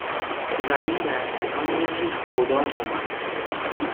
زمین در تهران متری خدا تومن